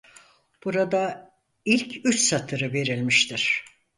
Burada ilk üç satırı verilmiştir.